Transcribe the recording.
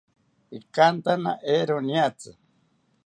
Ikantana eero niatzi